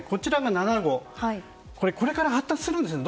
７号はこれから発達するんですね。